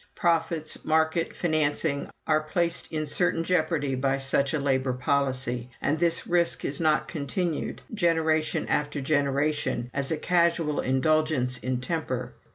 Profits, market, financing, are placed in certain jeopardy by such a labor policy, and this risk is not continued, generation after generation, as a casual indulgence in temper.